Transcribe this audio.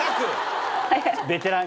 ベテラン。